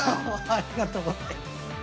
ありがとうございます。